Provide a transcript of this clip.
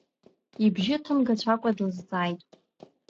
Ибжьы ҭымгацәакәа длызҵааит.